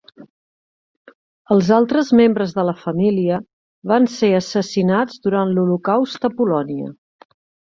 Els altres membres de la família van ser assassinats durant l'Holocaust a Polònia.